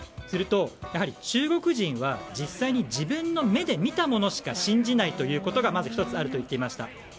すると中国人は実際に自分の目で見たものしか信じないということがまず１つ、あると言っていました。